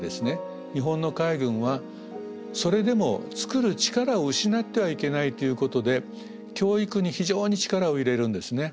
日本の海軍はそれでも造る力を失ってはいけないということで教育に非常に力を入れるんですね。